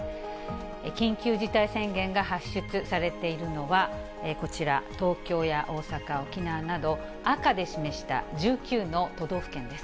緊急事態宣言が発出されているのは、こちら東京や大阪、沖縄など赤で示した１９の都道府県です。